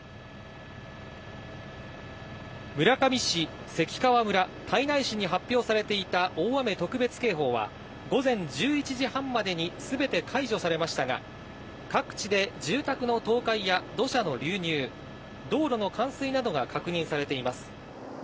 村上市、関川村、胎内市に発表されていた、大雨特別警報は、午前１１時半までにすべて解除されましたが、各地で住宅の倒壊や土砂の流入、道路の冠水などが確認されています。